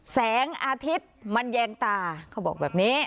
แสงอาทิตย์มันแยงตาเขาบอกแบบนี้